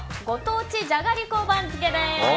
ご当地じゃがりこ番付です。